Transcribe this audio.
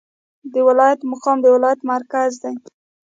د ولایت مقام د ولایت مرکز دی